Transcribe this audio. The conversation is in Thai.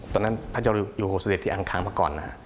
ตอนนั้นพระเจ้าอยู่โหเสด็จที่อังคารมาก่อน